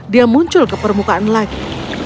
dia muncul ke permukaan lagi